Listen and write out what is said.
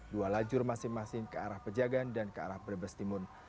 dua lajur masing masing ke arah pejagan dan ke arah brebes timur